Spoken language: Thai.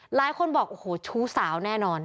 หลายคนบอกโอ้โหชู้สาวแน่นอน